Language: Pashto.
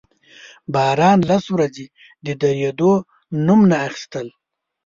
باران لس ورځې د درېدو نوم نه اخيستل.